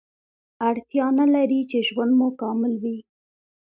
اړتیا نلري چې ژوند مو کامل وي